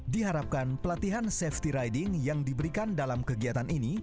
diharapkan pelatihan safety riding yang diberikan dalam kegiatan ini